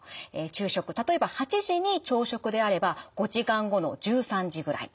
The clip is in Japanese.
昼食例えば８時に朝食であれば５時間後の１３時ぐらい。